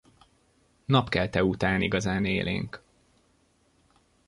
Napkelte után igazán élénk.